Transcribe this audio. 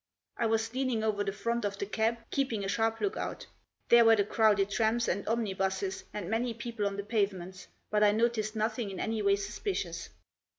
I was leaning over the front of the cab, keeping a sharp look out. There were the crowded trams and omnibuses, and many people on the pavements ; but I noticed nothing in any way suspicious.